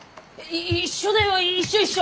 一緒だよ一緒一緒！